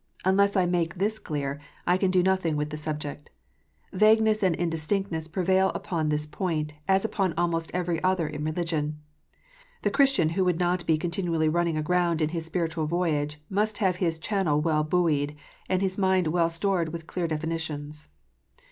Unless I make this clear, I can do nothing with the subject. Vagueness and indistinctness prevail upon this point, as upon almost every other in religion. The Christian who would not be continually running aground in his spiritual voyage, must have his channel well buoyed, and his mind well stored with clear definitions.